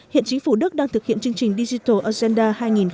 hiện chính phủ đức đang thực hiện chương trình digital agenda hai nghìn hai mươi